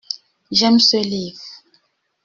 J’aime ce livre.